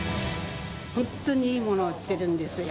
本当にいいものを売ってるんですよ。